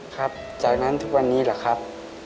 ครับจากนั้นทุกวันนี้เหรอครับ